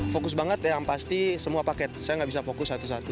fokus banget yang pasti semua paket saya nggak bisa fokus satu satu